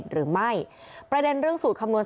หรือไม่ประเด็นเรื่องสูตรคำนวณ